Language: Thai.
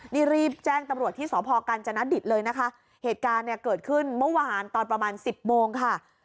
นี่รีบแจ้งตำรวจที่สพกัญจนดิตเลยนะคะเหตุการณ์เนี่ยเกิดขึ้นเมื่อวานตอนประมาณสิบโมงค่ะ